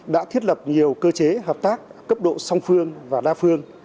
đã thiết lập nhiều cơ chế hợp tác cấp độ song phương và đa phương